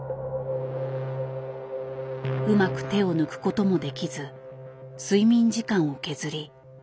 うまく手を抜くこともできず睡眠時間を削り仕上げる日々。